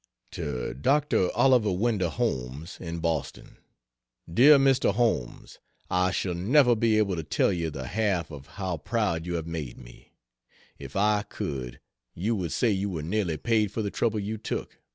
To Dr. Oliver Wendell Holmes, in Boston: DEAR MR. HOLMES, I shall never be able to tell you the half of how proud you have made me. If I could you would say you were nearly paid for the trouble you took.